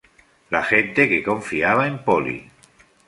La gente que confiaba en Poly.